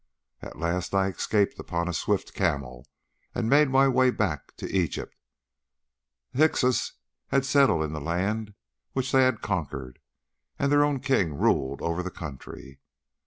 At last I escaped upon a swift camel, and made my way back to Egypt. The Hyksos had settled in the land which they had conquered, and their own King ruled over the country.